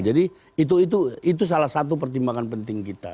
jadi itu salah satu pertimbangan penting kita